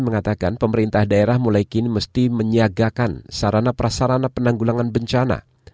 mengatakan pemerintah daerah mulai kini mesti menyiagakan sarana prasarana penanggulangan bencana